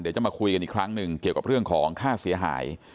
เดี๋ยวจะมาคุยกันอีกครั้งหนึ่งเกี่ยวกับเรื่องของค่าเสียหาย